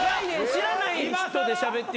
知らない人でしゃべって。